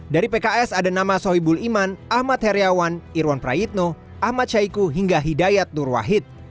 dari pks ada nama sohibul iman ahmad heriawan irwan prayitno ahmad syahiku hingga hidayat nur wahid